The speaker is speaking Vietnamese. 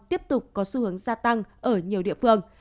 tiếp tục có xu hướng gia tăng ở nhiều địa phương